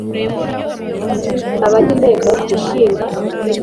abagize inteko ishinga amategeko